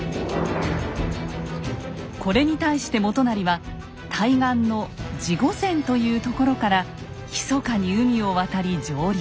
これに対して元就は対岸の地御前という所からひそかに海を渡り上陸。